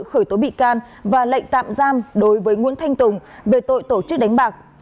khởi tố bị can và lệnh tạm giam đối với nguyễn thanh tùng về tội tổ chức đánh bạc